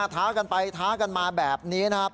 ท้ากันไปท้ากันมาแบบนี้นะครับ